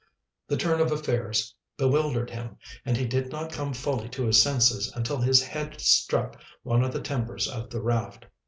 The turn of affairs bewildered him, and he did not come fully to his senses until his head struck one of the timbers of the raft.